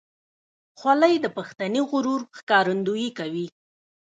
خولۍ د پښتني غرور ښکارندویي کوي.